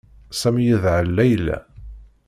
Sami yedhel Layla.